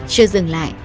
chưa dừng lại